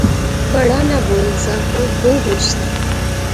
بڑا ناں بول سا او بہوں خوش سا